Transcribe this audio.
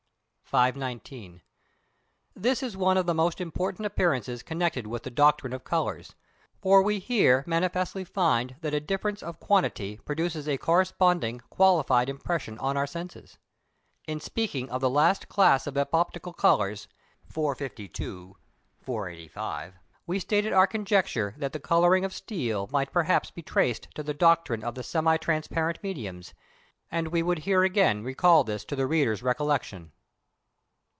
519. This is one of the most important appearances connected with the doctrine of colours, for we here manifestly find that a difference of quantity produces a corresponding qualified impression on our senses. In speaking of the last class of epoptical colours (452, 485), we stated our conjecture that the colouring of steel might perhaps be traced to the doctrine of the semi transparent mediums, and we would here again recall this to the reader's recollection.